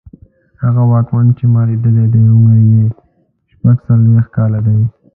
هغه واکمن چې ما لیدلی دی عمر یې شپږڅلوېښت کاله دی.